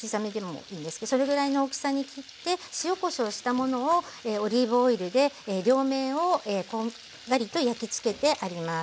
それぐらいの大きさに切って塩・こしょうをしたものをオリーブオイルで両面をこんがりと焼きつけてあります。